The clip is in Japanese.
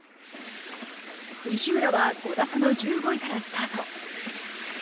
西村は５打差の１５位からスタート。